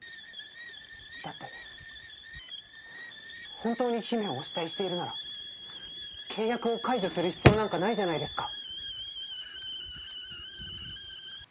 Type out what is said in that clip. だって本当に姫をお慕いしているなら契約を解除する必要なんかないじゃないですか。